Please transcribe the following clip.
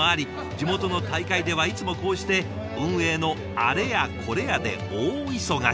地元の大会ではいつもこうして運営のあれやこれやで大忙し。